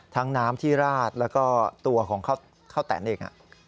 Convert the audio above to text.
น้ำที่ราดแล้วก็ตัวของข้าวแตนเอง